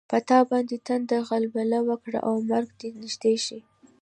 په تا باندې تنده غلبه وکړي او مرګ دې نږدې شي.